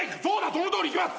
そのとおりいきます。